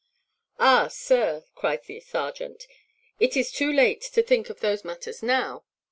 "Ah! sir," cries the serjeant, "it is too late to think of those matters now.